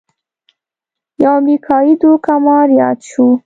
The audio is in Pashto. یو امریکايي دوکه مار یاد شو.